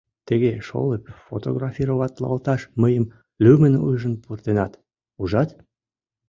Тыге шолып фотографироватлалташ мыйым лӱмын ӱжын пуртенат, ужат?